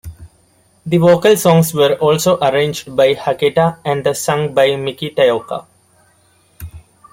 The vocal songs were also arranged by Haketa and sung by Miki Taoka.